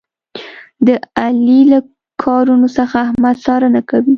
د علي له کارونو څخه احمد څارنه کوي.